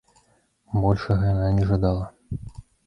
Большага яна не жадала.